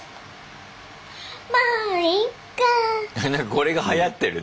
これがはやってるね